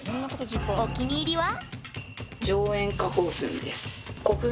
お気に入りは？